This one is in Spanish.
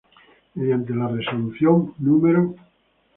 Mediante la resolución No.